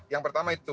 yang pertama itu